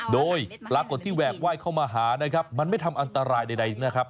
โดยปรากฏที่แหวกไหว้เข้ามาหานะครับมันไม่ทำอันตรายใดนะครับ